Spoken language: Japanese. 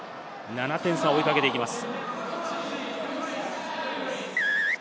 ７点差を追いかけていきます。